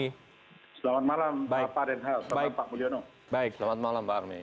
selamat malam pak renhal selamat malam pak mulyono